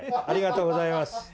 ありがとうございます。